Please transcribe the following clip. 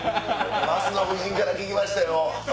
「升野夫人から聞きましたよ」。